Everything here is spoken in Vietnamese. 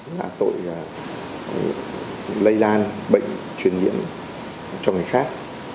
là tội lây lan bệnh truyền nhiễm cho người khác